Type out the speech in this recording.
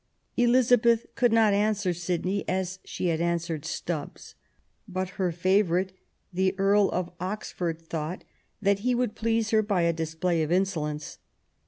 Elizabeth could not answer Sidney as she had answered Stubbs ; but her favourite, the Earl of Oxford, thought that he would please her by a display of insolence.